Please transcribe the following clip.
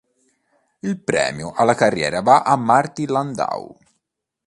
Il premio alla carriera va a Martin Landau.